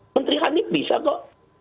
menteri hanif bisa kok